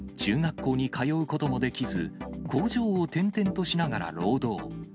中学校に通うこともできず、工場を転々としながら労働。